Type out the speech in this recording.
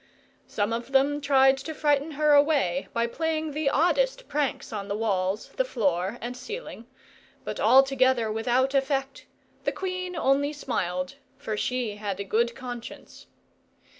Some of them tried to frighten her away by playing the oddest pranks on the walls, and floor, and ceiling; but altogether without effect; the queen only smiled, for she had a good conscience.